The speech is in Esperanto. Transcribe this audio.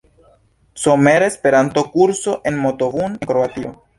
Somera Esperanto-Kurso en Motovun en Kroatio.